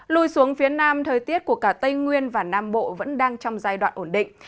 lùi xuống phía nam thời tiết của cả tây nguyên và nam bộ vẫn đang trong giai đoạn ổn định